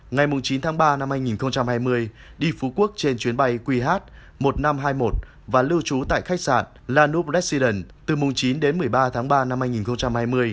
ngày chín tháng ba năm hai nghìn hai mươi đi phú quốc trên chuyến bay qh một nghìn năm trăm hai mươi một và lưu trú tại khách sạn lanup residen từ mùng chín đến một mươi ba tháng ba năm hai nghìn hai mươi